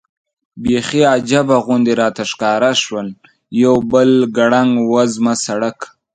بېخي عجیبه غوندې راته ښکاره شول، یو بل ګړنګ وزمه سړک.